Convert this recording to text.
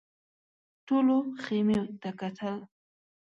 ټولو خيمې ته کتل.